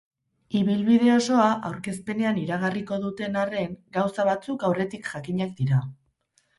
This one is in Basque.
Ibilbide osoa aurkezpenean iragarriko duten arren, gauza batzuk aurretik jakinak dira.